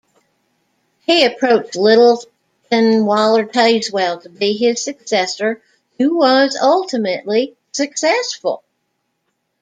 He approached Littleton Waller Tazewell to be his successor, who was ultimately successful.